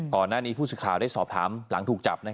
ก่อนหน้านี้ผู้สิทธิ์ข่าวได้สอบถามหลังถูกจับ